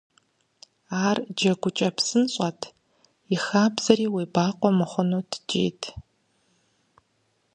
Ар джэгукӀэ псынщӏэт, и хабзэхэри уебакъуэ мыхъуну ткӀийт.